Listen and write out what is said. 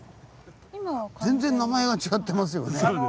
全然名前が違ってますよね。